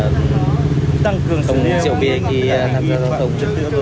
là tăng cường sự liên quan khi tham gia giao thông